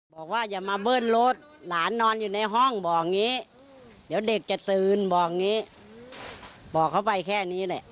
บอกว่าอย่ามาเบิ้ลรถหลานนอนอยู่ในห้องบอกงี้เดี๋ยวเด็กจะตื่นบอกงี้บอกเขาไปแค่นี้เลย